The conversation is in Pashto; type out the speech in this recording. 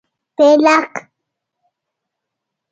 🦃 پېلک